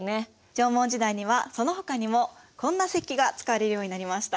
縄文時代にはそのほかにもこんな石器が使われるようになりました。